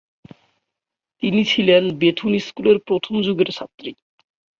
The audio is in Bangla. তিনি ছিলেন বেথুন স্কুলের প্রথম যুগের ছাত্রী।